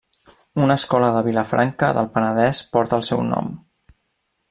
Una escola de Vilafranca del Penedès porta el seu nom.